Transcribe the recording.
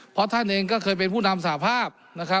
เพราะท่านเองก็เคยเป็นผู้นำสภาพ